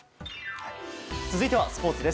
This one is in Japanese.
続いてはスポーツです。